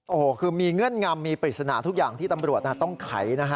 โอ้โหคือมีเงื่อนงำมีปริศนาทุกอย่างที่ตำรวจต้องไขนะฮะ